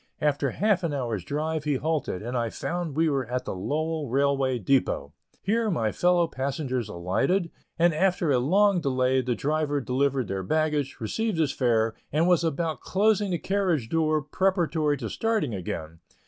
After half an hour's drive he halted, and I found we were at the Lowell Railway depot. Here my fellow passengers alighted, and after a long delay the driver delivered their baggage, received his fare, and was about closing the carriage door preparatory to starting again.